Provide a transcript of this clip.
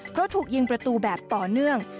เพราะถูกยิงประตูแบบต่อเนื่อง